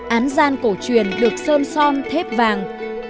án gian cổ truyền được sơn son thép vàng